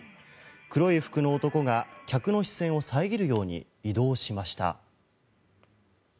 黒い服の男が客の視線を遮るように移動しました。